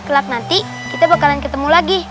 kelak nanti kita bakalan ketemu lagi